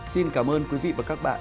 xin cảm ơn quý vị và các bạn